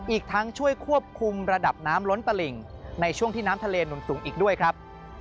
อีกทั้งช่วยควบคุมระดับน้ำล้นตลิ่งในช่วงที่น้ำทะเลหนุนสูงอีกด้วยครับ